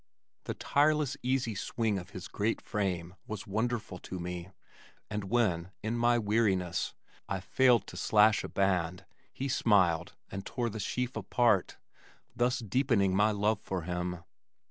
The tireless easy swing of his great frame was wonderful to me and when, in my weariness, I failed to slash a band he smiled and tore the sheaf apart thus deepening my love for him.